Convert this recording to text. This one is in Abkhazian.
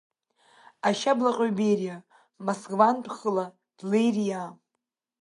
Ашьаблаҟьаҩ Бериа, Москвантә хыла длериа!